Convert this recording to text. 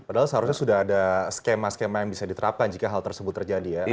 padahal seharusnya sudah ada skema skema yang bisa diterapkan jika hal tersebut terjadi ya